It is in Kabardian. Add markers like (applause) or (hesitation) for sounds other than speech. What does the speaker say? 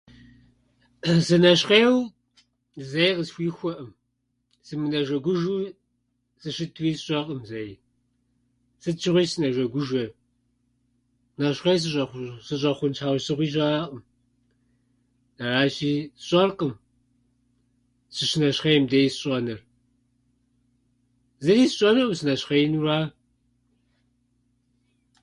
(hesitation) сынэщхъейуэ зэи къысхуихуэӏым. Сымынэжэгужэу сыщытууи сщӏэкъым зэи. Сыт щыгъуи сынэжэгужэ. Нэщхъей сыщӏэхъу- сыщӏэхъун щхьэусыгъуи щаӏым. Аращи, сщӏэркъым сыщынэщхъейм дей сщӏэныр. Зыри сщӏэнуӏым, сынэщхъеинура.